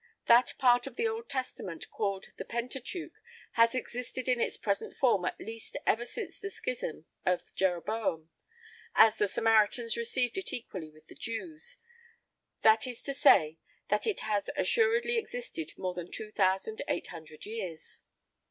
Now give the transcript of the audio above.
That part of the Old Testament called the Pentateuch has existed in its present form at least ever since the schism of Jeroboam, as the Samaritans receive it equally with the Jews, that is to say, that it has assuredly existed more than two thousand eight hundred years.